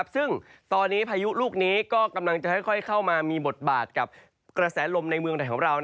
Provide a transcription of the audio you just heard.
ซึ่งตอนนี้พายุลูกนี้ก็กำลังจะค่อยเข้ามามีบทบาทกับกระแสลมในเมืองไทยของเรา